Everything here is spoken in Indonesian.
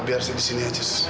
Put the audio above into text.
biar sih di sini aja